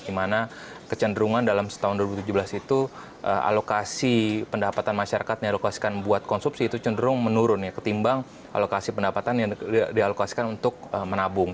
di mana kecenderungan dalam setahun dua ribu tujuh belas itu alokasi pendapatan masyarakat yang alokasikan buat konsumsi itu cenderung menurun ya ketimbang alokasi pendapatan yang dialokasikan untuk menabung